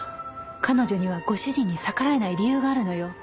彼女にはご主人に逆らえない理由があるのよ。